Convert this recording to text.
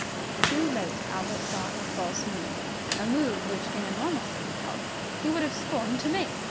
Too late Albert saw his false move a move which in a normal state of health, he would have scorned to make.